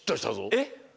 えっ？